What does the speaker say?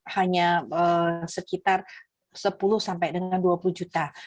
hanya sekitar sepuluh sampai dengan dua puluh juta